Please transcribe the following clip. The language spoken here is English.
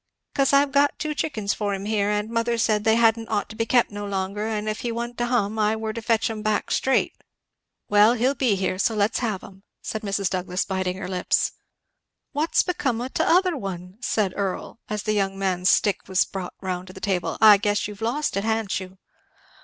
"Cause I've got ten chickens for him here, and mother said they hadn't ought to be kept no longer, and if he wa'n't to hum I were to fetch 'em back, straight." "Well he'll be here, so let's have 'em," said Mrs. Douglass biting her lips. "What's become o' t'other one?" said Earl, as the young man's stick was brought round to the table; "I guess you've lost it, ha'n't you?"